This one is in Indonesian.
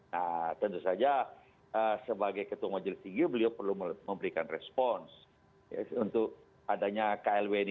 nah tentu saja sebagai ketua majelis tinggi beliau perlu memberikan respons untuk adanya klb ini